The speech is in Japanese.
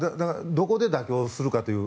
どこで妥協するかという。